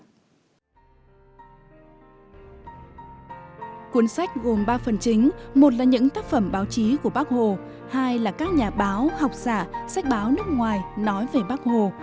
cuốn sách gồm ba phần chính một là những tác phẩm báo chí của bác hồ hai là các nhà báo học giả sách báo nước ngoài nói về bác hồ